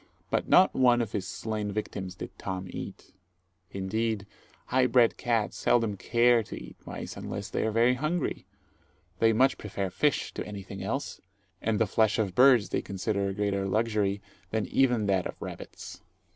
But not one of his slain victims did Tom eat. Indeed, high bred cats seldom care to eat mice unless they are very hungry; they much prefer fish to anything else, and the flesh of birds they consider a greater luxury than even that of rabbits.